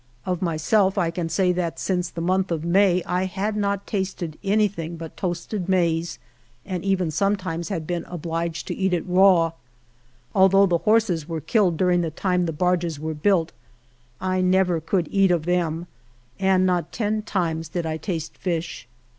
Of myself I can say that since the month of May I had not tasted anything but toasted maize, and even sometimes had been obliged to eat it raw. Although the horses were killed during the time the barges were built, I never could eat of them, and not ten times did I taste fish.